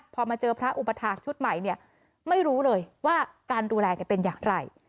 พอมาเจอพระอุปถาคชุดใหม่เนี่ยไม่รู้เลยว่าการดูแลจะเป็นอย่างไร